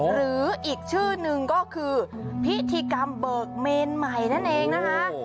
หรืออีกชื่อหนึ่งก็คือพิธีกรรมเบิกเมนใหม่นั่นเองนะคะ